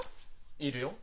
いるよ